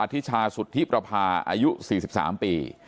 ธิชาสุธิประพาอายุ๔๓ปี